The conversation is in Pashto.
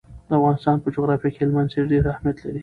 د افغانستان په جغرافیه کې هلمند سیند ډېر اهمیت لري.